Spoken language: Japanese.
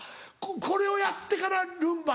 これをやってからルンバ。